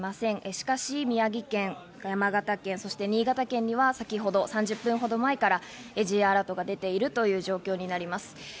しかし宮城県、山形県、そして新潟県には先ほど３０分ほど前からＪアラートが出ているという状況になります。